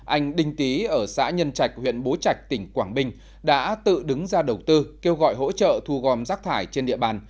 anh đinh tý ở xã nhân trạch huyện bố trạch tỉnh quảng bình đã tự đứng ra đầu tư kêu gọi hỗ trợ thu gom rác thải trên địa bàn